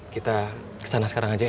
kita kesana sekarang aja